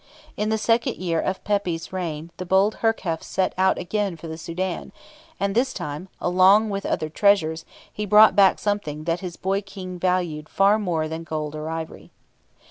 In the second year of Pepy's reign, the bold Herkhuf set out again for the Soudan, and this time, along with other treasures, he brought back something that his boy King valued far more than gold or ivory.